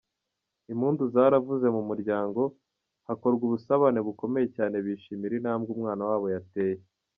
Impundu zaravuze mu muryango, hakorwa ubusabane bukomeye cyane bishimira intambwe umwana wabo yateye.